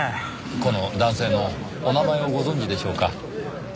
この男性のお名前をご存じでしょうか？